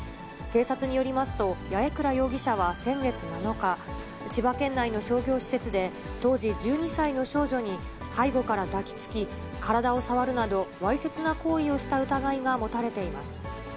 警察によりますと、八重倉容疑者は先月７日、千葉県内の商業施設で、当時１２歳の少女に、背後から抱きつき体を触るなど、わいせつな行為をした疑いが持たれています。